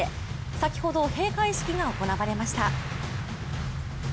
先ほど、閉会式が行われました。